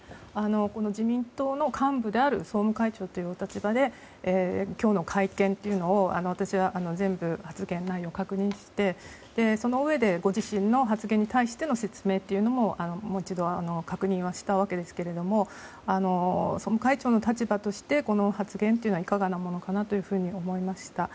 この自民党の幹部である総務会長というお立場で今日の会見というのを私は全部、発言内容などを確認して、そのうえでご自身の発言に対しての説明というのももう一度確認はしたわけですけど総務会長の立場としてこの発言というのはいかがなものかなと思いました。